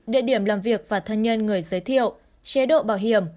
địa điểm làm việc và thân nhân người giới thiệu chế độ bảo hiểm